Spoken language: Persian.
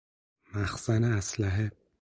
مخزن اسلحه